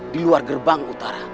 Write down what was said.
di luar gerbang utara